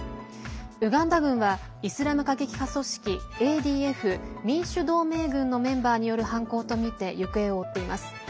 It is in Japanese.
ウガンダ軍はイスラム過激派組織ＡＤＦ＝民主同盟軍のメンバーによる犯行とみて行方を追っています。